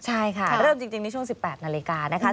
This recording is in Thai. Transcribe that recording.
ใช่ค่ะเริ่มจริงในช่วง๑๘นาฬิกานะคะ